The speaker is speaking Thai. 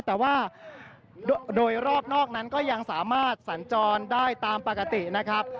แต่ว่าโดยรอบนอกนั้นก็ยังสามารถสัญจรได้ตามปกตินะครับ